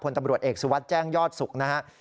ตำรวจเอกสุวัสดิ์แจ้งยอดสุขนะครับ